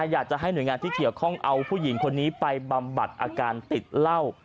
อยากจะให้หน่วยงานที่เกี่ยวข้องเอาผู้หญิงคนนี้ไปบำบัดอาการติดเหล้า